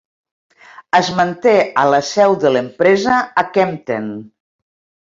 Es manté a la seu de l'empresa a Kempten.